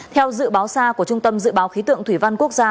theo dự báo xa của trung tâm dự báo khí tượng thủy văn quốc gia